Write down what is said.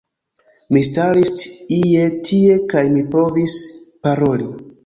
Mi staris ie tie kaj mi provis paroli